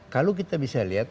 kalau kita bisa lihat